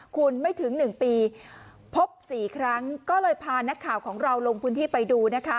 คุณไม่ถึง๑ปีพบ๔ครั้งก็เลยพานักข่าวของเราลงพื้นที่ไปดูนะคะ